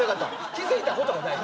気付いたことが大事。